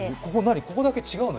ここだけ違うの？